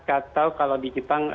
atau kalau di jepang